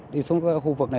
đi xuống khu vực này